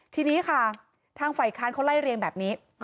ทีนี้ค่ะทางฝ่ายค้านเขาไล่เรียงแบบนี้